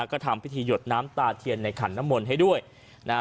ก็ทำพิธีหยดน้ำตาเทียนในขันน้ำมนต์ให้ด้วยนะฮะ